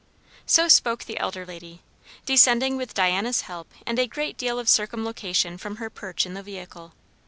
So spoke the elder lady, descending with Diana's help and a great deal of circumlocution from her perch in the vehicle.